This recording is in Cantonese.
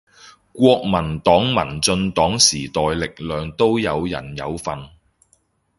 國民黨民進黨時代力量都有人有份